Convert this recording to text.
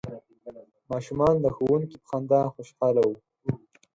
ماشومان د ښوونکي په خندا خوشحاله وو.